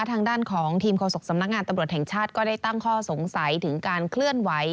ทางด้านของทีมโฆษกสำนักงานตำรวจแห่งชาติก็ได้ตั้งข้อสงสัยถึงการเคลื่อนไหว